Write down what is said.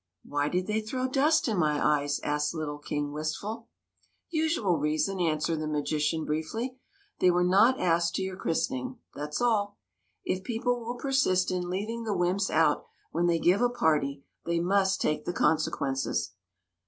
" Why did they throw dust in my eyes ?" asked little King Wistful. " Usual reason/' answered the magician, briefly. " They were not asked to your christ ening, that's all. If people will persist in leaving the wymps out when they give a party, they must take the consequences.